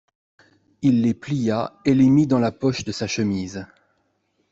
Il les plia et les mit dans la poche de sa chemise.